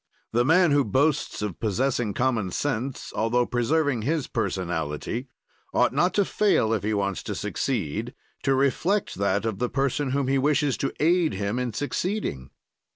"The man who boasts of possessing common sense, altho preserving his personality, ought not to fail, if he wants to succeed, to reflect that of the person whom he wishes to aid him in succeeding."